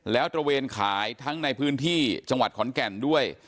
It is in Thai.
แล้วตระเวนขายทั้งในพื้นที่จังหวัดขอนแก่นด้วย